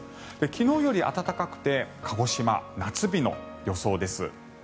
昨日より暖かくて鹿児島、夏日の予想です。